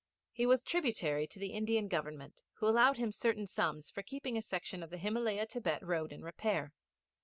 He was tributary to the Indian Government, who allowed him certain sums for keeping a section of the Himalaya Thibet road in repair.